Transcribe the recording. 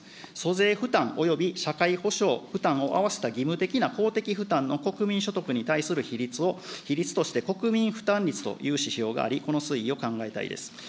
租税負担及び社会保障負担を合わせた、義務的な公的負担の国民所得に対する比率として国民負担率という指標があり、この推移を考えたいです。